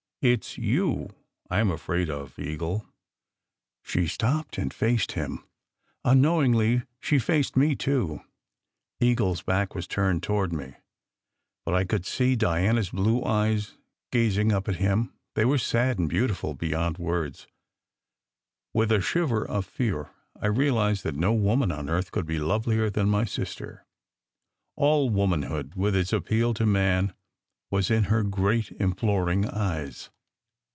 It s you I m afraid of, Eagle!" She stopped, and faced him. Unknowingly she faced me, too. Eagle s back was turned toward me, but I could see Diana s blue eyes gazing up at him. They were sad and beautiful beyond words. With a shiver of fear, I realized that no woman on earth could be lovelier than my sister. All womanhood, with its appeal to man, was in her great imploring eyes.